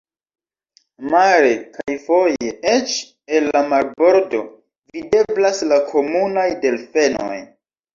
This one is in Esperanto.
Mare kaj foje eĉ el la marbordo videblas la komunaj delfenoj.